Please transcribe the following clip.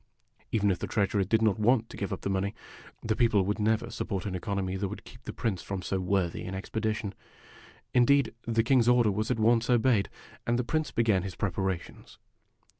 Even if the treasurer did not want to give up the money, the people would never support an economy that would keep the Prince from so worthy an expedition. In deed, the King's order was at once obeyed, and the Prince began his preparations.